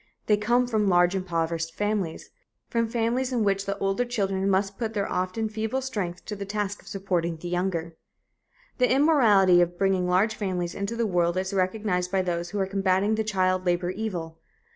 They come from large impoverished families from families in which the older children must put their often feeble strength to the task of supporting the younger. The immorality of bringing large families into the world is recognized by those who are combatting the child labor evil.